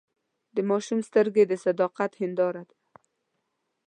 د ماشوم سترګې د صداقت هنداره ده.